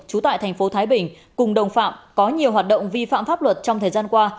trú tại thành phố thái bình cùng đồng phạm có nhiều hoạt động vi phạm pháp luật trong thời gian qua